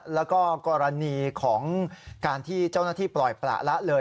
แล้วก็กรณีของการที่เจ้าหน้าที่ปล่อยประละเลย